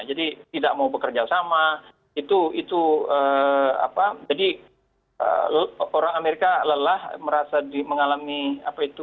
jadi tidak mau bekerja sama itu apa jadi orang amerika lelah merasa mengalami apa itu